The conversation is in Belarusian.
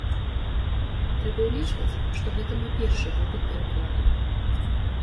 Трэба ўлічваць, што гэта мой першы вопыт перакладу.